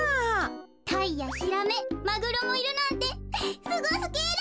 タイやヒラメマグロもいるなんてすごすぎる！